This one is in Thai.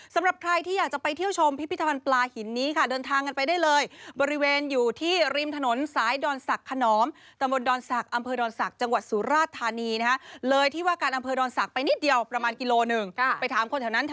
สำหรับใครที่อยากจะไปเที่ยวชมพิพิธรรมปลาหินนี้ค่ะ